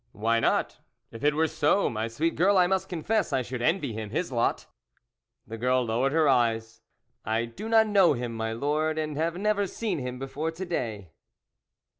" Why not ? If it were so, my sweet girl, I must confess I should envy him his lot." The girl lowered her eyes. " I do not know him, my Lord, and have never seen him before to day."